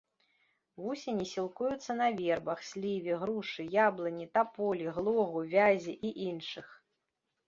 Вусені сілкуюцца на вербах, сліве, грушы, яблыні, таполі, глогу, вязе і іншых.